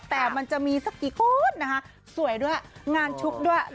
แต่มันจะมีสักกี่คนนะคะสวยด้วยงานชุกด้วย